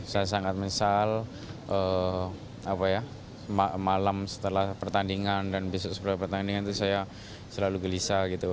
saya sangat menyesal malam setelah pertandingan dan besok setelah pertandingan itu saya selalu gelisah gitu